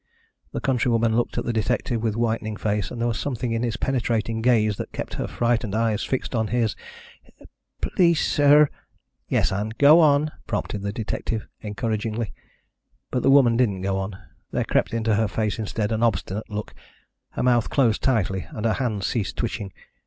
The countrywoman looked at the detective with whitening face, and there was something in his penetrating gaze that kept her frightened eyes fixed on his. "Please, sir " "Yes, Ann, go on," prompted the detective encouragingly. But the woman didn't go on; there crept into her face instead an obstinate look, her mouth closed tightly, and her hands ceased twitching.